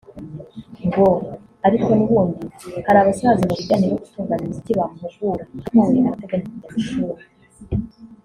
ngo ariko nubundi hari abasaza mubijyanye no gutunganya umuziki bamuhugura ariko we arateganya ku jya mu ishuri